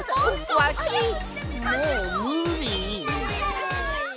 わしもうむり！